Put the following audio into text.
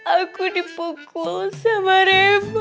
aku dipukul sama reva